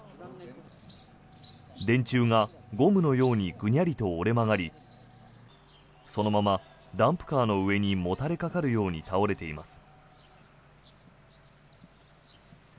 電柱がゴムのようにぐにゃりと折れ曲がりそのままダンプカーの上にもたれかかるように倒れています。